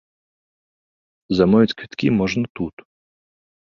Замовіць квіткі можна тут.